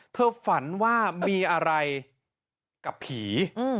ฝันว่ามีอะไรกับผี